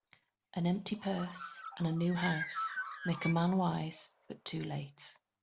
An empty purse, and a new house, make a man wise, but too late.